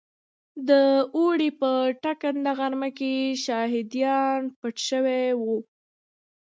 د اوړي په ټکنده غرمه کې شهادیان پټ شوي وو.